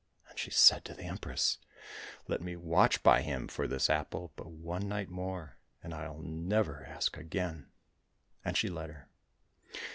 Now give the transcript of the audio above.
And she said to the Empress, " Let me watch by him for this apple but one night more, and I'll never ask again !" And she let her.